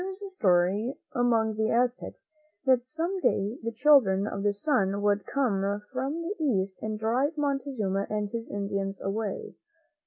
Now, there was a story among the Aztecs that some day the Children of the Sun would come from the East and drive Montezuma and his Indians away.